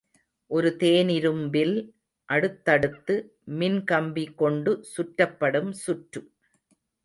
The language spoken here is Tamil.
ஒரு தேனிரும்பில் அடுத்தடுத்து மின்கம்பி கொண்டு சுற்றப்படும் சுற்று.